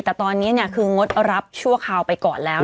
แต่ตอนนี้คืองดรับชั่วคราวไปก่อนแล้ว